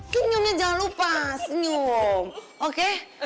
kinyumnya jangan lupa senyum oke